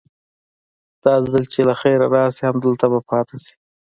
دا ځل چې له خيره راسي همدلته به پاته سي.